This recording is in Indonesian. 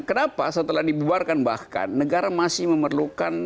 kenapa setelah dibubarkan bahkan negara masih memerlukan